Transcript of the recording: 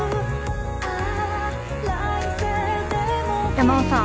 山尾さん